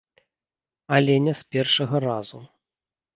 Але не з першага разу.